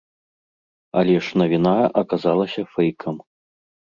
Але ж навіна аказалася фэйкам.